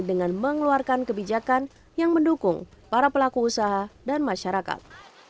dengan mengeluarkan kebijakan yang mendukung para pelaku usaha dan masyarakat